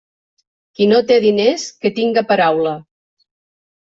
Qui no té diners, que tinga paraula.